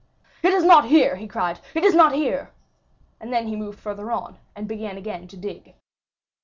"It is not here!" he cried. "It is not here!" 50197m And then he moved farther on, and began again to dig.